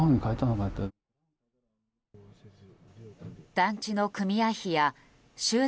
団地の組合費や修繕